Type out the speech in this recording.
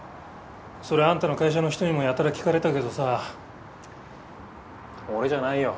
それあんたの会社の人にもやたら聞かれたけどさ俺じゃないよ。